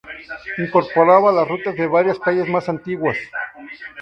Incorporaba las rutas de varias calles más antiguas.